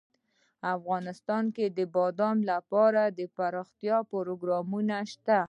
افغانستان کې د بادام لپاره دپرمختیا پروګرامونه شته.